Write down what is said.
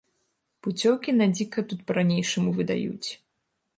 Пуцёўкі на дзіка тут па ранейшаму выдаюць.